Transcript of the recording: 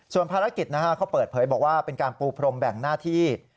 ส่วนภารกิจเขาเปิดเผยบอกว่าเป็นการปูพรมแบ่งหน้าที่